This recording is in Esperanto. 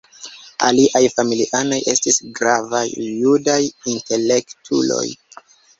Aliaj familianoj estis gravaj judaj intelektuloj.